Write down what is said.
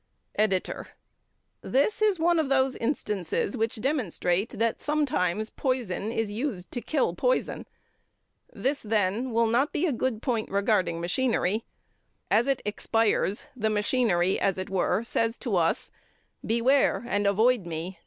EDITOR: This is one of those instances which demonstrate that sometimes poison is used to kill poison. This, then, will not be a good point regarding machinery. As it expires, the machinery, as it were, says to us: "Beware and avoid me.